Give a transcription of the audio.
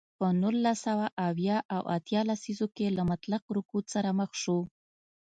په نولس سوه اویا او اتیا لسیزو کې له مطلق رکود سره مخ شو.